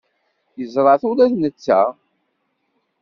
Yeẓra-t ula d netta.